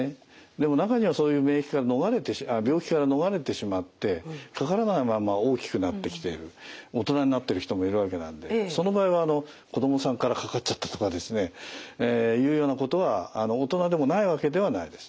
でも中にはそういう免疫から逃れて病気から逃れてしまってかからないまんま大きくなってきている大人になってる人もいるわけなんでその場合は子どもさんからかかっちゃったとかですねいうようなことは大人でもないわけではないです。